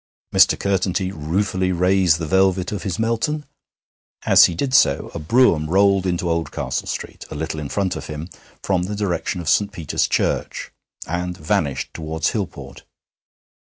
Mr. Curtenty ruefully raised the velvet of his Melton. As he did so a brougham rolled into Oldcastle Street, a little in front of him, from the direction of St. Peter's Church, and vanished towards Hillport.